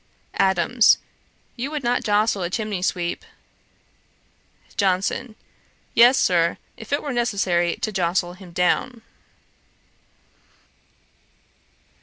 ADAMS. 'You would not jostle a chimney sweeper.' JOHNSON. 'Yes, Sir, if it were necessary to jostle him down.' Dr.